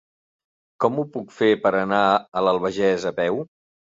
Com ho puc fer per anar a l'Albagés a peu?